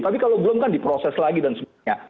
tapi kalau belum kan diproses lagi dan sebagainya